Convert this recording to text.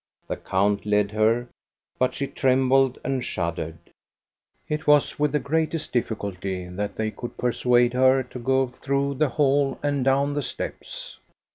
The count led her, but she trembled and shuddered. It was with the greatest difficulty that they could persuade her to go through the hall and down the steps.